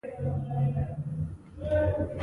زه هغه د هېواد یو معصوم کادر بللی دی.